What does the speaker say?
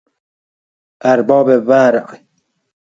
ارباب ورع